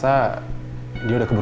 buruk ituzero berika lulur